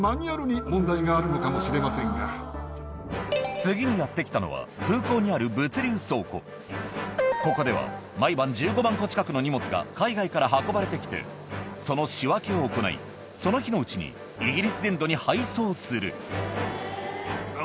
次にやって来たのはここでは毎晩１５万個近くの荷物が海外から運ばれて来てその仕分けを行いその日のうちにイギリス全土に配送するあんた。